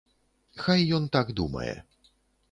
Хай ён так думае.